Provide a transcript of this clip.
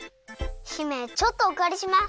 姫ちょっとおかりします。